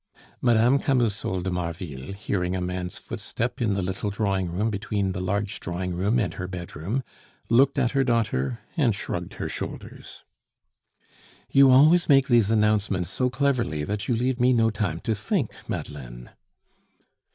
Mme. Camusot de Marville, hearing a man's footstep in the little drawing room between the large drawing room and her bedroom, looked at her daughter and shrugged her shoulders. "You always make these announcements so cleverly that you leave me no time to think, Madeleine."